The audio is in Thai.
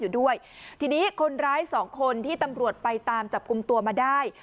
อยู่ด้วยทีนี้คนร้ายสองคนที่ตำรวจไปตามจับกลุ่มตัวมาได้